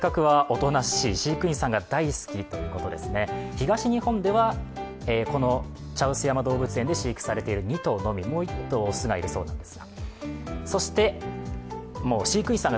東日本では、この茶臼山動物園で飼育されている２頭のみ、もう１頭、雄がいるそうです。